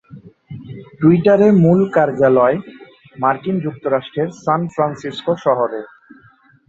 টুইটারের মূল কার্যালয় মার্কিন যুক্তরাষ্ট্রের সান ফ্রান্সিস্কো শহরে।